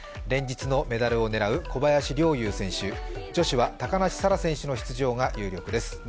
連日のメダルを狙う小林陵侑選手、女子は高梨沙羅選手の出場が有力です。